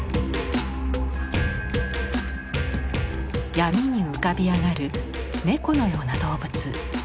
闇に浮かび上がる猫のような動物。